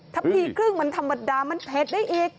ทะพีครึ่งมันธรรมดามันเพชรได้อีก